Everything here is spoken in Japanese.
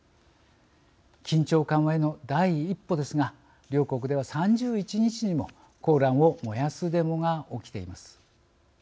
緊張緩和への第一歩ですが両国では３１日にも「コーラン」を燃やすデモが起きています。